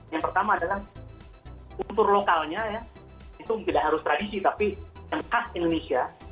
yang pertama adalah kultur lokalnya ya itu tidak harus tradisi tapi yang khas indonesia